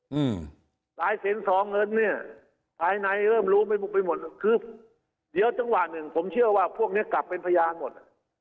อืมลายเซ็นซองเงินเนี้ยภายในเริ่มรู้ไม่บุกไปหมดคือเดี๋ยวจังหวะหนึ่งผมเชื่อว่าพวกเนี้ยกลับเป็นพยานหมด